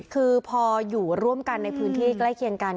คือพออยู่ร่วมกันในพื้นที่ใกล้เคียงกัน